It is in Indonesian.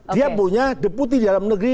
dia punya deputi di dalam negara